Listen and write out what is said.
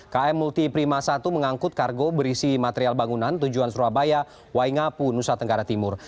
km multi prima satu mengangkut kargo berisi material bangunan tujuan surabaya waingapu nusa tenggara timur